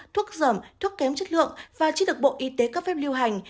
thuốc giẩm thuốc kém chất lượng và chiếc được bộ y tế cấp phép lưu hành